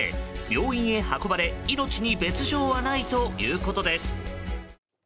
病院へ運ばれ命に別状はないということです。